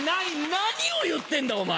何を言ってんだお前。